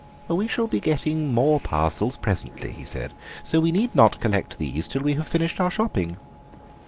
"We shall be getting more parcels presently," he said, "so we need not collect these till we have finished our shopping."